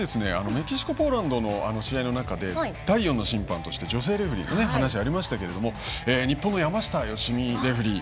メキシコポーランドの試合の中で第４の審判として女性レフェリーの話ありましてけれども日本の山下良美レフェリー。